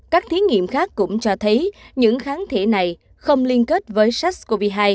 các thí nghiệm khác cũng cho thấy những kháng thể này không liên kết với sars cov hai